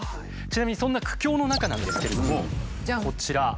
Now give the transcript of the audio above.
ちなみにそんな苦境の中なんですけれどもこちら。